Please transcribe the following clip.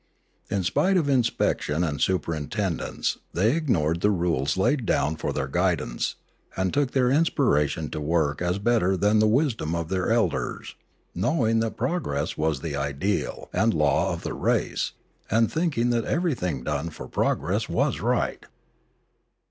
In spite of inspection and superintendence they ignored the rules laid down for their guidance, and took their inspiration to work as better than the wisdom of their elders, knowing that progress was the ideal and law of their race, and thinking that everything done for pro gress was right.